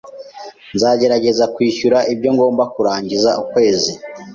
Nzagerageza kwishyura ibyo ngomba kurangiza ukwezi.